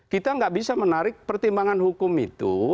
kita nggak bisa menarik pertimbangan hukum itu